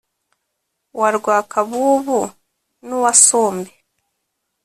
wa Rwakabubu n uwa Sombe